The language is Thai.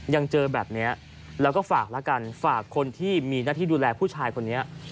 ยังเจอแบบนี้แล้วก็ฝากแล้วกันฝากคนที่มีหน้าที่ดูแลผู้ชายคนนี้